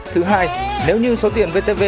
thứ hai nếu như số tiền vtv